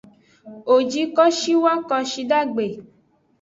Wo ji kwashiwa kwashidagbe.